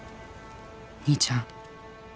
「兄ちゃん」